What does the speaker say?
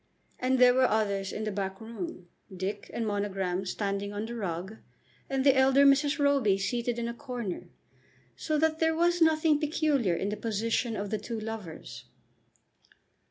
And there were others in the back room, Dick and Monogram standing on the rug, and the elder Mrs. Roby seated in a corner; so that there was nothing peculiar in the position of the two lovers.